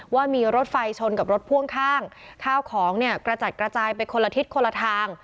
ว่ามีรถไฟชนกับรถพ่วงข้างข้าวของเนี่ยกระจัดกระจายไปคนละทิศคนละทาง